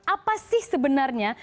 apa sih sebenarnya